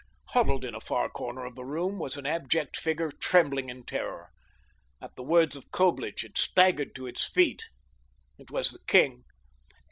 Huddled in a far corner of the room was an abject figure trembling in terror. At the words of Coblich it staggered to its feet. It was the king.